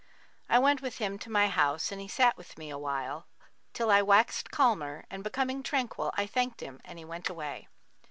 I went with him to my house and he sat with me awhile, till I waxed calmer, and becoming tranquil I thanked him and he went away.